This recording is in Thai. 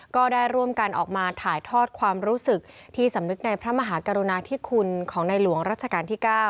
ก็ได้ร่วมกันออกมาถ่ายทอดความรู้สึกที่สำนึกในพระมหากรุณาธิคุณของในหลวงรัชกาลที่๙